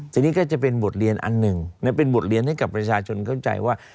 ทีนี้ก็จะเป็นบทเรียนอันหนึ่งเป็นบทเรียนให้กับประชาชนเข้าใจว่า